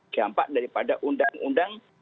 gampang daripada undang undang